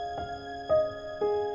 aku akan menjaga dia